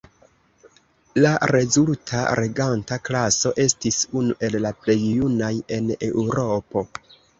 La rezulta reganta klaso estis unu el la plej junaj en Eŭropo.